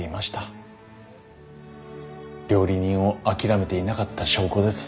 料理人を諦めていなかった証拠です。